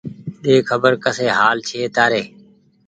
ۮي خبر ڪسي حآل ڇي تآري